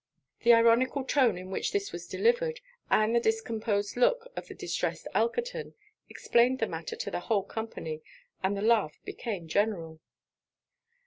The ironical tone in which this was delivered, and the discomposed looks of the distressed Elkerton, explained the matter to the whole company; and the laugh became general.